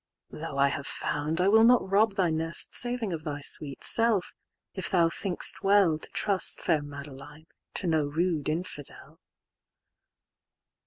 "Though I have found, I will not rob thy nest"Saving of thy sweet self; if thou think'st well"To trust, fair Madeline, to no rude infidel."